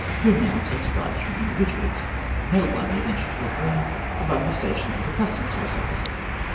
Who now takes bribes from individuals ? No one, we venture to affirm, above the station of a Custom House officer.